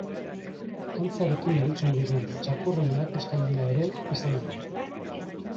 Antzarekin aritzen diren txakurren erakustaldia ere izango da.